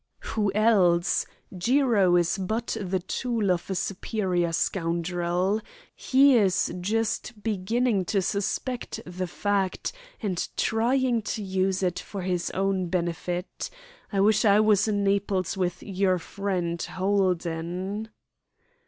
"Who else? Jiro is but the tool of a superior scoundrel. He is just beginning to suspect the fact, and trying to use it for his own benefit. I wish I was in Naples with your friend Holden."